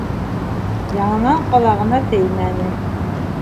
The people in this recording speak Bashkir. Яңынан ҡалағына теймәне.